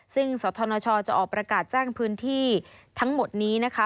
ซึ่งสธนชจะออกประกาศแจ้งพื้นที่ทั้งหมดนี้นะคะ